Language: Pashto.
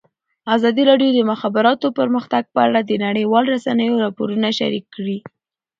ازادي راډیو د د مخابراتو پرمختګ په اړه د نړیوالو رسنیو راپورونه شریک کړي.